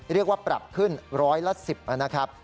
เรียกว่าปรับขึ้นร้อยละ๑๐นะครับ